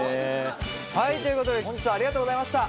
はいということで本日はありがとうございました。